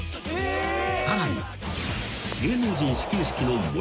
［さらに］